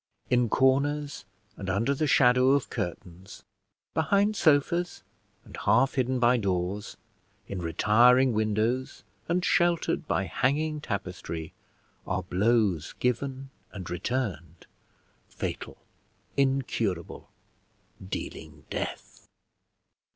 In corners, and under the shadow of curtains, behind sofas and half hidden by doors, in retiring windows, and sheltered by hanging tapestry, are blows given and returned, fatal, incurable, dealing death.